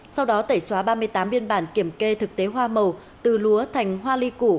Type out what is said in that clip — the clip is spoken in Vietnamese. sau đó tẩy xóa ba mươi tám biên bản kiểm kê thực tế hoa màu từ lúa thành hoa ly củ